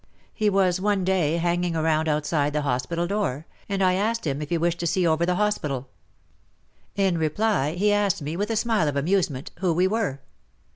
He was one day hang ing around outside the hospital door, and I asked him if he v/ished to see over the hospital. 154 WAR AND WOMEN In reply he asked me with a smile of amuse ment — who we were.